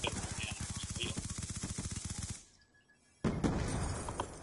Ella está casada con Mr.Gregory Thomas.